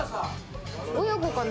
親子かな？